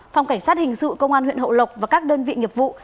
phòng cảnh sát hình sự công an huyện hậu lộc và các đơn vị nghiệp vụ